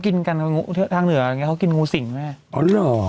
คือน้องก็บอกว่ามอย่างนี้งูเป็นสัตว์สงวน